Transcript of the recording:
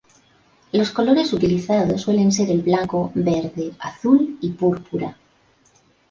Los colores utilizados suelen ser el blanco, verde, azul y púrpura.